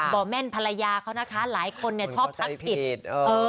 บ่อแม่นภรรยาเขานะคะหลายคนเนี่ยชอบทักผิดเออ